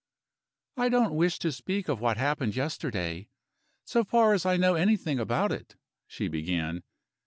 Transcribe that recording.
"I don't wish to speak of what happened yesterday, so far as I know anything about it," she began.